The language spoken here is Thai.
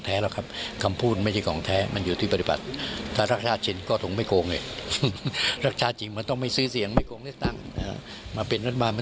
ภักดิ์ประชาธิปัตธ์ก็อยู่มานานพอ